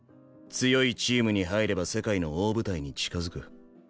強いチームに入れば世界の大舞台に近づく。